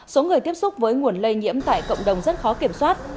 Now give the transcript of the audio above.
số người tiếp xúc với nguồn lây nhiễm tại cộng đồng rất khó kiểm soát